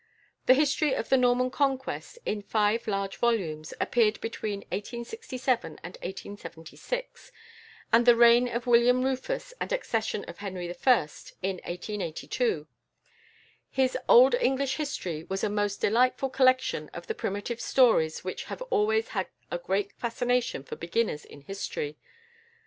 The "History of the Norman Conquest," in five large volumes, appeared between 1867 and 1876, and the "Reign of William Rufus, and Accession of Henry I.," in 1882. His "Old English History" was a most delightful collection of the primitive stories which have always had a great fascination for beginners in history.